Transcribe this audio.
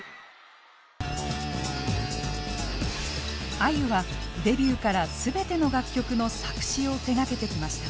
あゆはデビューからすべての楽曲の作詞を手がけてきました。